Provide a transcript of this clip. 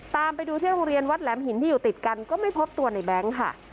ตามไปดูที่โรงเรียนวัดแหลมหินที่อยู่ติดกันก็ไม่พบตัวในแบงค์ค่ะ